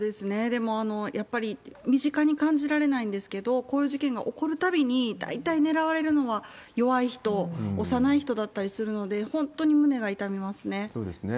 でも、やっぱり身近に感じられないんですけど、こういう事件が起こるたびに、大体狙われるのは弱い人、幼い人だったりするので、そうですね。